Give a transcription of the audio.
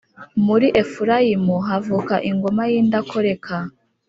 muri Efurayimu havuka ingoma y’indakoreka.